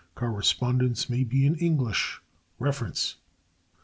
Correspondence may be in English. Reference.